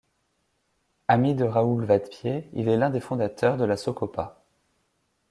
Ami de Raoul Vadepied, il est l'un des fondateurs de la Socopa.